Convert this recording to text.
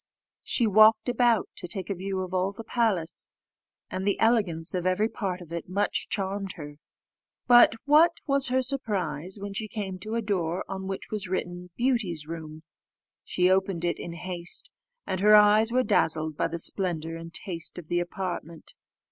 She walked about to take a view of all the palace, and the elegance of every part of it much charmed her. But what was her surprise, when she came to a door on which was written, BEAUTY'S ROOM! She opened it in haste, and her eyes were dazzled by the splendour and taste of the apartment.